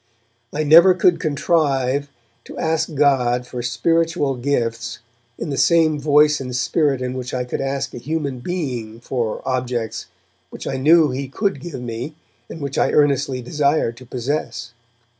I never could contrive to ask God for spiritual gifts in the same voice and spirit in which I could ask a human being for objects which I knew he could give me and which I earnestly desired to possess.